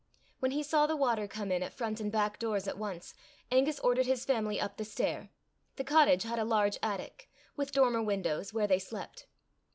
When he saw the water come in at front and back doors at once, Angus ordered his family up the stair: the cottage had a large attic, with dormer windows, where they slept.